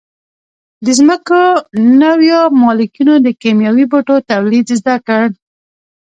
د ځمکو نویو مالکینو د کیمیاوي بوټو تولید زده کړ.